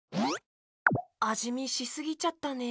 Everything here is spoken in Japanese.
あじみしすぎちゃったね。